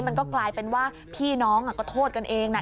มันก็กลายเป็นว่าพี่น้องก็โทษกันเองนะ